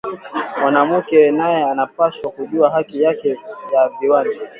Mwanamuke naye ana pashwa kujua haki yake ya viwanja